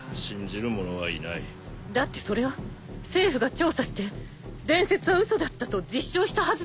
だってそれは政府が調査して伝説は嘘だったと実証したはずでは？